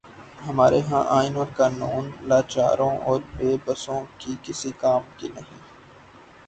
ہمارے ہاں آئین اور قانون لاچاروں اور بے بسوں کے کسی کام کے نہیں۔